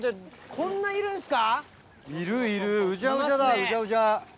こんないるんですか？